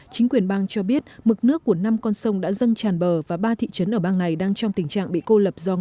chính quyền bang cho biết mực nước của năm con sông đã dâng tràn bờ và ba thị trấn ở bang này đang trong tình trạng bị cô lập do